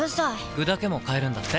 具だけも買えるんだって。